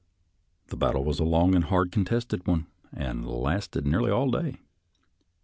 The battle was a long and hard contested one, and lasted nearly all day.